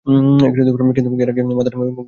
কিন্তু, এর আগে আপনার মুখটা বন্ধ করে শুনতে হবে কিছু!